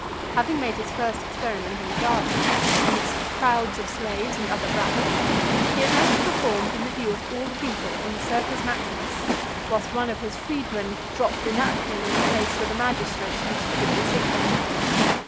Having made his first experiment in the gardens, amidst crowds of slaves and other rabble, he at length performed in the view of all the people, in the Circus Maximus, whilst one of his freedmen dropped the napkin in the place where the magistrates used to give the signal.